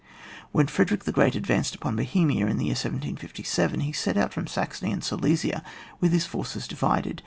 When Frederick the Great advanced upon Bohemia, in the year 1757, he set out from Saxony and Silesia with his forces divided.